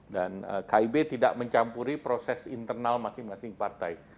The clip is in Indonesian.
dan kib tidak mencampuri proses internal masing masing partai